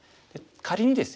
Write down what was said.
仮にですよ